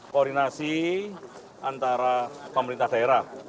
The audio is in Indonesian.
koordinasi antara pemerintah daerah